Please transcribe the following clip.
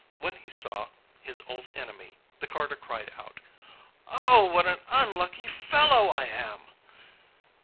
When he saw his old enemy, the carter cried out: 'Oh! what an unlucky fellow I am!